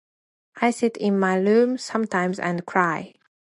I sit in my room sometimes and cry.